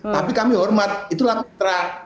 tapi kami hormat itulah mitra